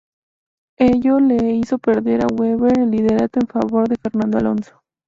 Ello le hizo perder a Webber el liderato en favor de Fernando Alonso.